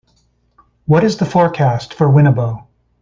what is the forecast for Winnabow